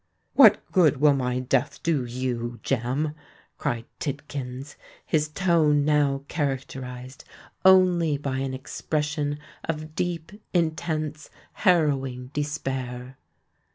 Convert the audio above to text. "What good will my death do you, Jem?" cried Tidkins, his tone now characterised only by an expression of deep—intense—harrowing despair.